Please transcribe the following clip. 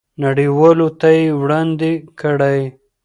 نړیوالو ته یې وړاندې کړئ.